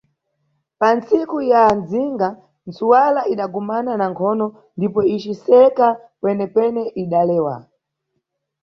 Pa ntsiku ya mdzinga, ntsuwala idagumana na nkhono ndipo iciseka kwene-kwene idalewa.